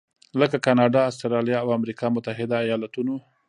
لکه کاناډا، اسټرالیا او امریکا متحده ایالتونو.